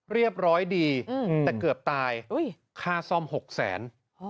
เรียบร้อยดีแต่เกือบตายค่าซ่อม๖๐๐๐๐๐บาท